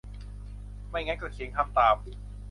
ไม่งั้นก็เขียนคำตาม